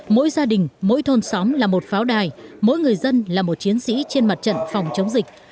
mỗi gia đình mỗi thôn xóm là một pháo đài mỗi người dân là một chiến sĩ trên mặt trận phòng chống dịch